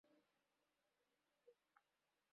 তাঁর নিঃশ্বাস ভরি হয়ে এল।